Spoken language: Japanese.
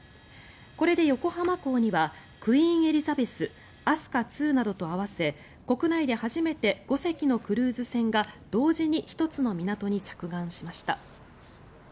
これで横浜港には「クイーン・エリザベス」「飛鳥２」などと合わせて国内で初めて５隻のクルーズ船が同時に１つの港に着岸しました。